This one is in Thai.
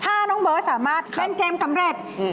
ถ้าน้องเบิร์ตสามารถเล่นเกมสำเร็จ